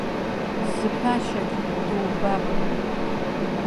Зҳәашагь дубап.